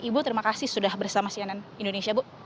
ibu terima kasih sudah bersama cnn indonesia bu